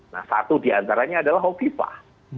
nah satu diantaranya adalah hovifah